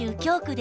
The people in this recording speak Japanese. で